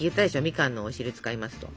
みかんのお汁使いますと。